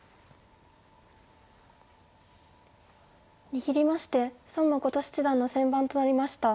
握りまして孫七段の先番となりました。